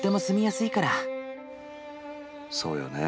そうよね